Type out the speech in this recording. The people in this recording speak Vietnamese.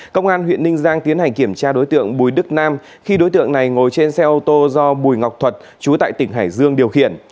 công an huyện ninh giang tiến hành kiểm tra đối tượng bùi đức nam khi đối tượng này ngồi trên xe ô tô do bùi ngọc thuật chú tại tỉnh hải dương điều khiển